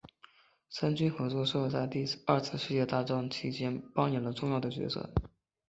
三军合作社在第二次世界大战其间扮演了重要的角色。